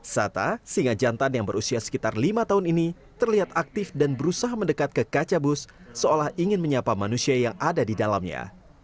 sata singa jantan yang berusia sekitar lima tahun ini terlihat aktif dan berusaha mendekat ke kaca bus seolah ingin menyapa manusia yang ada di dalamnya